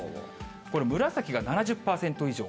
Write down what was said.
これ、紫が７０％以上。